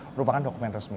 merupakan dokumen resmi